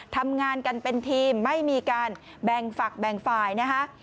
ทำงานกันเป็นทีมไม่มีการแบ่งฝักแบ่งฝ่ายนะคะ